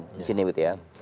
di sini begitu ya